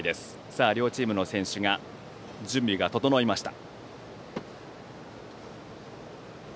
さあ、両チームの選手の準備が整いました。